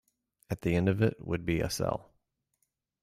At the end of it would be a cell.